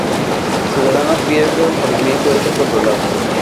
El ciudadano pierde autonomía y puede ser controlado.